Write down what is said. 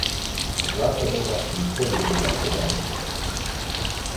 Zlata doba nikoli ni bila sedanja.